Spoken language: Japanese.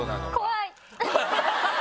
怖い！